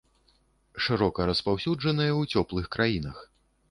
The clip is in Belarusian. Шырока распаўсюджаныя ў цёплых краінах.